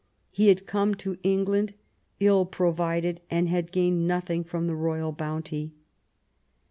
He had come to England, ill provided, and had gained nothing from the royal bounty.